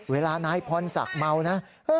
เวลานายพรศักดิ์เมานะ